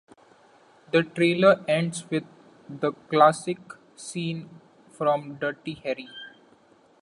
The trailer ends with the classic scene from "Dirty Harry".